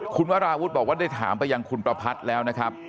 คุณวราวุฒิบอกว่าได้ถามไปยังคุณประพัทธ์แล้วนะครับ